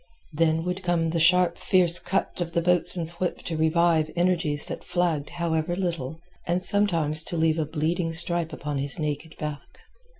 Then would come the sharp fierce cut of the boatswain's whip to revive energies that flagged however little, and sometimes to leave a bleeding stripe upon his naked back.